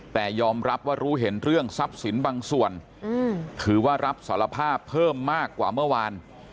แต่ยอมรับว่ารู้เห็นเรื่องทรัพย์สินบางส่วนถือว่ารับสารภาพเพิ่มมากกว่าเมื่อวาน